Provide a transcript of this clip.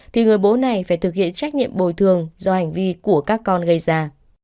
thì người bố này phải thực hiện trách nhiệm bồi thường do hành vi của các con gây ra